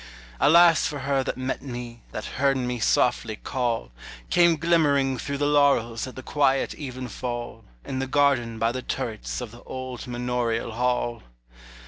Alas for her that met me, That heard me softly call, Came glimmering through the laurels At the quiet evenfall, In the garden by the turrets Of the old manorial hall!